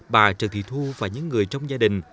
bà trần thị thu và những người trong gia đình